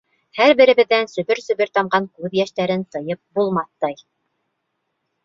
Һәр беребеҙҙән сөбөр-сөбөр тамған күҙ йәштәрен тыйып булмаҫтай...